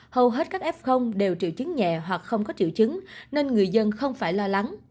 hầu hết các f đều triệu chứng nhẹ hoặc không có triệu chứng nên người dân không phải lo lắng